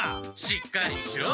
しっかりしろ！